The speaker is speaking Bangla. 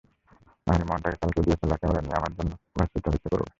আহা রে, মদনটা কালকেও ডিএসএলআর ক্যামেরা নিয়ে আমার জন্য ভার্সিটিতে অপেক্ষা করবে।